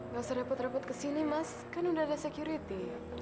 gak usah repot repot ke sini mas kan udah ada security